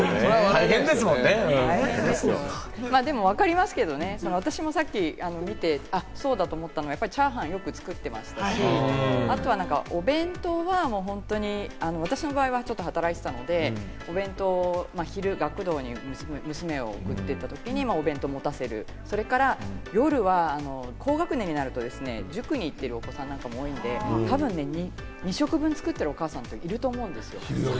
でもわかりますけれどもね、私もさっき見て、そうだと思ったのが、チャーハンよく作ってましたし、お弁当は本当に私の場合はちょっと働いていたので、昼、学童に娘を送って行ったときにお弁当を持たせる、それから夜は高学年になると、塾に行っているお子さんなんかも多いので、たぶん２食分作ってるお母さんっていると思うんですよ。